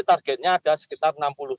targetnya ada sekitar enam puluh